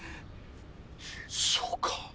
そうか。